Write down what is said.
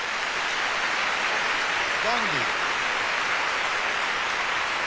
ダンディー！